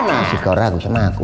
masih kau ragu sama aku